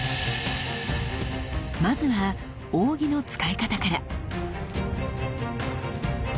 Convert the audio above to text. まずは扇の使い方から。